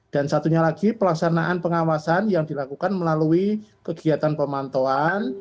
dan satunya lagi pelaksanaan pengawasan yang dilakukan melalui kegiatan pemantauan